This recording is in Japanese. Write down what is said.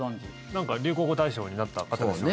なんか流行語大賞になった方ですよね。